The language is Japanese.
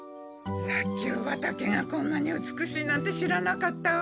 ラッキョ畑がこんなに美しいなんて知らなかったわ。